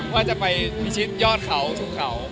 ว่าจะไปพิชิตยอดเขาชุมเขา